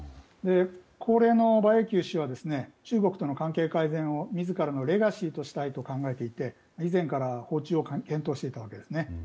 高齢の馬英九氏は中国との関係改善を自らのレガシーとしたいと考えていて以前から訪中を検討していたわけです。